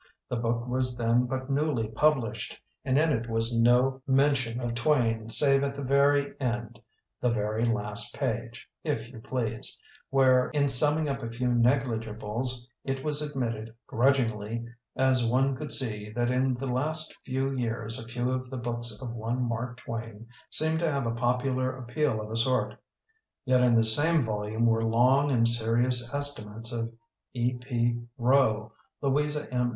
The book was then but newly published and in it was no mention of Twain save at the very end — the very last page, if you please — where, in summing up a few negli gibles, it was admitted, grudgingly, as one could see, that in the last few years a few of the books of one Mark Twain seemed to have a popular appeal of a sort. Yet in this same volume were long and seripus estimates of E. P. Roe, Louisa M.